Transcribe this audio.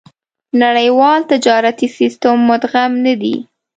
نړيوال تجارتي سېسټم مدغم نه دي.